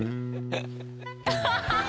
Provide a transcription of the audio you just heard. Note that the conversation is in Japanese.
アハハハ！